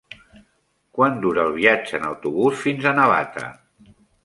Quant dura el viatge en autobús fins a Navata?